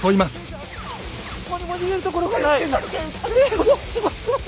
どこにも逃げるところがない！